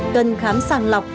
cần khám sàng lọc